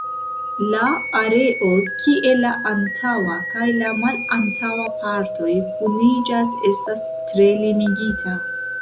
La areo kie la antaŭa kaj la malantaŭa partoj kuniĝas estas tre limigita.